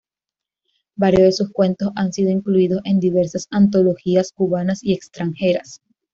Varios de sus cuentos han sido incluidos en diversas antologías cubanas y extranjeras.